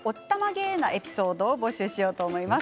エピソードも募集しようと思います。